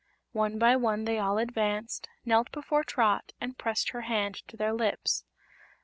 One by one they all advanced, knelt before Trot and pressed her hand to their lips.